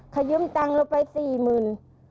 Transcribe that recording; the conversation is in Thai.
เขายืมตังค์ลงไปสี่หมื่น